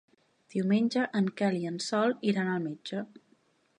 Diumenge en Quel i en Sol iran al metge.